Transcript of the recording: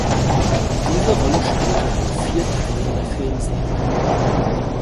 Diese Rolle spielte er in vier Teilen der Filmserie.